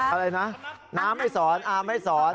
อะไรนะน้าไม่สอนอาไม่สอน